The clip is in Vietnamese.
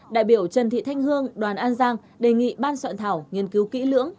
đại biểu trần thị thanh hương đoàn an giang đề nghị ban soạn thảo nghiên cứu kỹ lưỡng